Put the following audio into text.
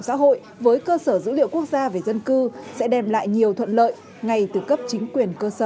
xã hội với cơ sở dữ liệu quốc gia về dân cư sẽ đem lại nhiều thuận lợi ngay từ cấp chính quyền cơ sở